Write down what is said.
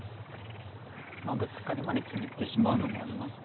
ブツカリまで決めてしまうのもあります。